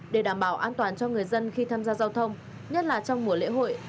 để đảm bảo an toàn cho người dân khi tham gia giao thông nhất là trong mùa lễ hội